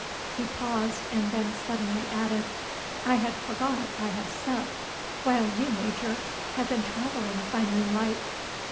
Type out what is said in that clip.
He paused, and then suddenly added, "I had forgot I have supped, while you, Major, have been travelling by moonlight."